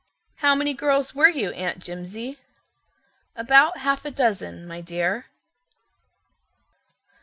"How many girls were you, Aunt Jimsie?" "About half a dozen, my dear."